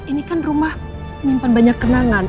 ini kan rumah nyimpan banyak kenangan